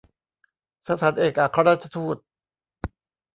สถานเอกอัครราชทูต